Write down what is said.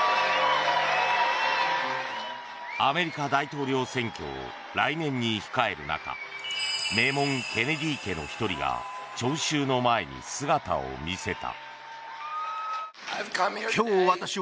アメリカ大統領選挙を来年に控える中名門ケネディ家の１人が聴衆の前に姿を見せた。